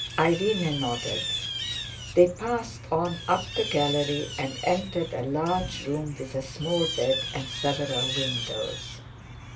Irene nodded. They passed on, up the gallery and entered a large room with a small bed, and several windows.